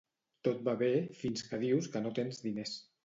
Tot va bé fins que dius que no tens diners